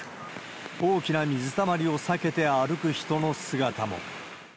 大きな水たまりを避けて歩く人の姿も。